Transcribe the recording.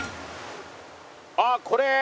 あっこれ。